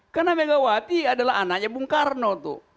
karena megawati adalah anaknya bung karno tuh